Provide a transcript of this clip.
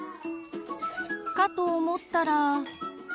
かと思ったら。